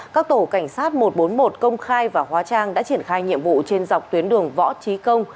các tổ cảnh sát một trăm bốn mươi một công khai và hóa trang đã triển khai nhiệm vụ trên dọc tuyến đường võ trí công